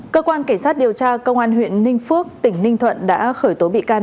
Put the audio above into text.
cơ quan cảnh sát điều tra công an huyện ninh phước tỉnh ninh thuận đã khởi tố bị can